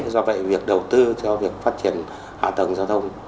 do vậy việc đầu tư cho việc phát triển hạ tầng giao thông